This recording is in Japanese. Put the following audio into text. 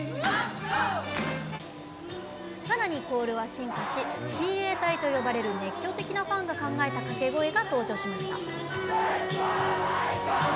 さらにコールは進化し親衛隊と呼ばれる熱狂的なファンが考えた掛け声が登場しました。